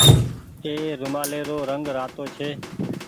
اي رومآلي رو رنگ رآتو ڇي۔